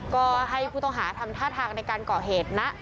ก็ให้ผู้ต้องหาทำท่าทางในการก่อเหตุนะ